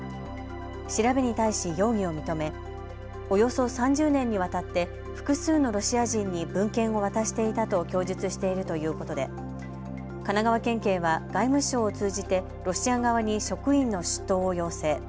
調べに対し容疑を認めおよそ３０年にわたって複数のロシア人に文献を渡していたと供述しているということで神奈川県警は外務省を通じてロシア側に職員の出頭を要請。